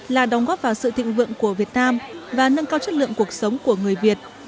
là đóng góp vào sự thịnh vượng của việt nam và nâng cao chất lượng cuộc sống của người việt